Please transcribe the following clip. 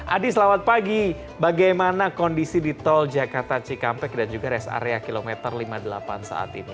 adi selamat pagi bagaimana kondisi di tol jakarta cikampek dan juga res area kilometer lima puluh delapan saat ini